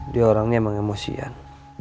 dia orangnya emang emosian